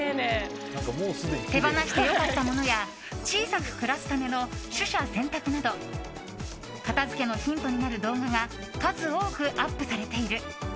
手放して良かった物や小さく暮らすための取捨選択など片付けのヒントになる動画が数多くアップされている。